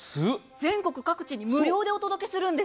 全国各地無料でお届けするんです。